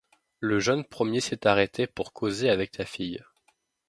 Le jeune premier s’est arrêté pour causer avec ta fille.